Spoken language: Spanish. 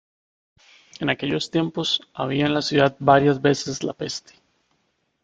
En aquellos tiempos había en la ciudad varias veces la peste.